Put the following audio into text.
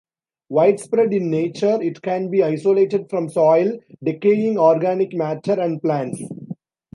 Widespread in nature, it can be isolated from soil, decaying organic matter, and plants.